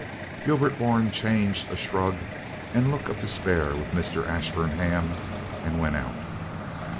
Gilbert Bourne changed a shrug and a look of despair with Mr. Ashburnham and went out.